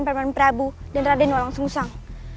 paman prabu dan raden walang sungusang